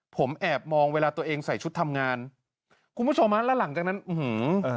ผมแอบมองเวลาตัวเองใส่ชุดทำงานคุณผู้ชมฮะแล้วหลังจากนั้นอื้อหือ